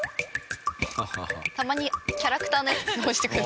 たまにキャラクターのやつ落ちてくる。